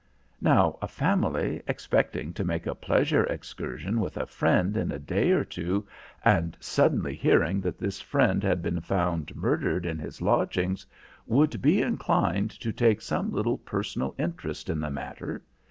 Now a family, expecting to make a pleasure excursion with a friend in a day or two and suddenly hearing that this friend had been found murdered in his lodgings, would be inclined to take some little personal interest in the matter.